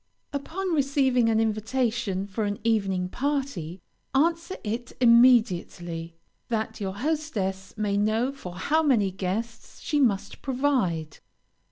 Upon receiving an invitation for an evening party, answer it immediately, that your hostess may know for how many guests she must provide.